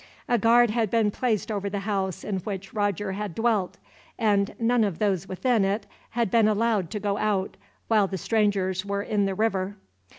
A guard had been placed over the house in which Roger had dwelt, and none of those within it had been allowed to go out, while the strangers were in the river.